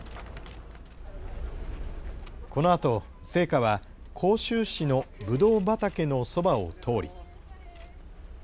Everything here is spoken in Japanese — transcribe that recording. このあと、聖火は甲州市のぶどう畑のそばを通り。